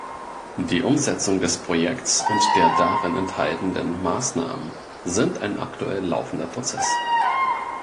Die Umsetzung des Projekts und der darin enthaltenden Maßnahmen sind ein aktuell laufender Prozess.